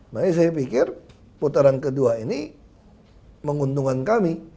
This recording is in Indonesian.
makanya saya pikir putaran kedua ini menguntungkan kami